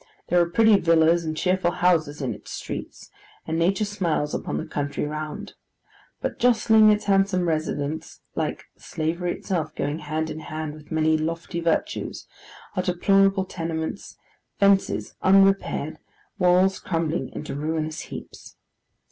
There are pretty villas and cheerful houses in its streets, and Nature smiles upon the country round; but jostling its handsome residences, like slavery itself going hand in hand with many lofty virtues, are deplorable tenements, fences unrepaired, walls crumbling into ruinous heaps.